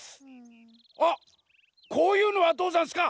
あっこういうのはどうざんすか？